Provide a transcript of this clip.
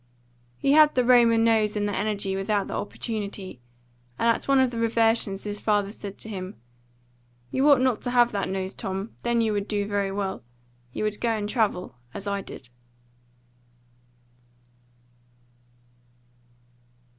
He had the Roman nose and the energy without the opportunity, and at one of the reversions his father said to him, "You ought not to have that nose, Tom; then you would do very well. You would go and travel, as I did."